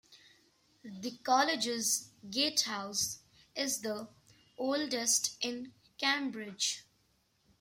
The college's gatehouse is the oldest in Cambridge.